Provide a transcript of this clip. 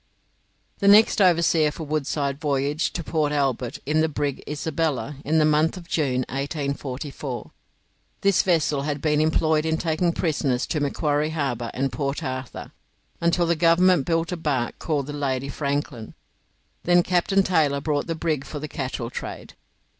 The next overseer for Woodside voyaged to Port Albert in the brig 'Isabella' in the month of June, 1844. This vessel had been employed in taking prisoners to Macquarie Harbour and Port Arthur until the government built a barque called the 'Lady Franklin'; then Captain Taylor bought the brig for the cattle trade.